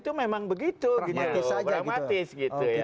itu memang begitu pragmatis saja gitu